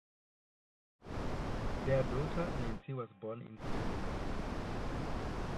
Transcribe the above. Their daughter Nancy was born in September.